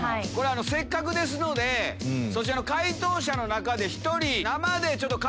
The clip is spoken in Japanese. せっかくですのでそちらの解答者の中で１人。